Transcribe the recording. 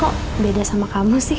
kok beda sama kamu sih